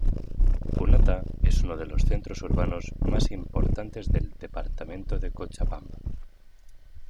Punata es uno de los centros urbanos más importantes del departamento de Cochabamba.